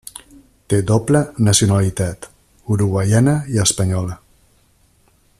Té doble nacionalitat: uruguaiana i espanyola.